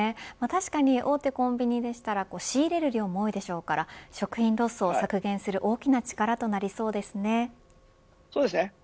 確かに大手コンビニでしたら仕入れる量も多いでしょうから食品ロスを削減する大きな力となりそうですね。